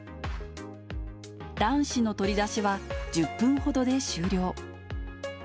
卵子の採り出しは１０分ほどで終了。